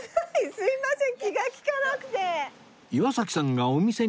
すいません。